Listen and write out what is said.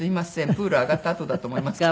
プール上がったあとだと思いますけど。